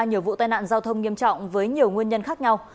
nhiều vụ tai nạn giao thông nghiêm trọng với nhiều nguyên nhân khác nhau